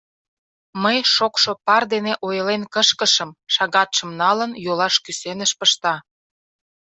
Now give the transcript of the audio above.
Мый шокшо пар дене ойлен кышкышым, — шагатшым налын, йолаш кӱсеныш пышта.